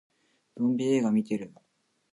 ゾンビ映画見てる